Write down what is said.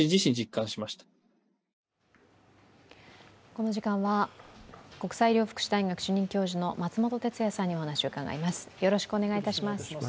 この時間は国際医療福祉大学・主任教授の松本哲哉さんにお話を伺います。